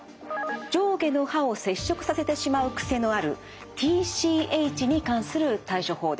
上下の歯を接触させてしまう癖のあるＴＣＨに関する対処法です。